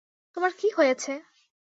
তোমার কী হয়েছে!